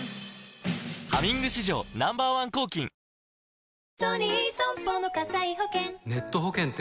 「ハミング」史上Ｎｏ．１抗菌はい。